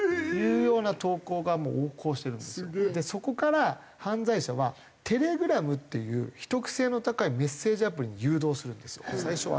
そこから犯罪者はＴｅｌｅｇｒａｍっていう秘匿性の高いメッセージアプリに誘導するんですよ最初は。